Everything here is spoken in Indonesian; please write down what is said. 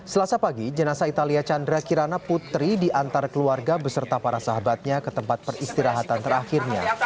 selasa pagi jenazah italia chandra kirana putri diantar keluarga beserta para sahabatnya ke tempat peristirahatan terakhirnya